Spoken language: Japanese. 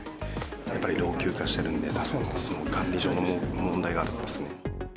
やっぱり老朽化してるんで、たぶん管理上の問題があると思いますね。